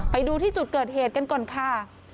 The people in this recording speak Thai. ไปดูที่จุดเกิดเหตุกันก่อนค่ะ